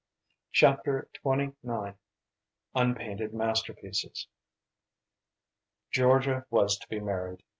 CHAPTER XXIX UNPAINTED MASTERPIECES Georgia was to be married.